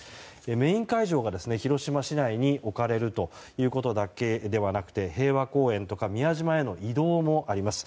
メイン会場が広島市内に置かれるということだけではなくて平和公園とか宮島への移動もあります。